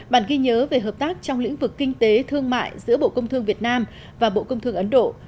bản ghi nhớ về hợp tác trong lĩnh vực kinh tế thương mại giữa bộ công thương việt nam và bộ công thương ấn độ